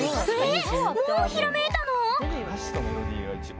もうひらめいたの⁉